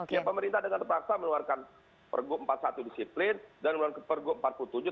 ya pemerintah dengan terpaksa mengeluarkan pergub empat puluh satu disiplin dan mengeluarkan pergub empat puluh tujuh